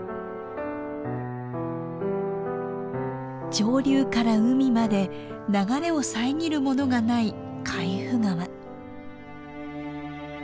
上流から海まで流れを遮るものがない海部川。